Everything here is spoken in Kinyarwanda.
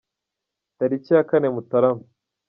Tariki ya kane Mutarama